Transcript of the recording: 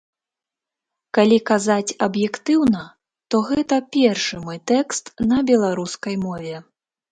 Калі казаць аб'ектыўна, то гэта першы мой тэкст на беларускай мове.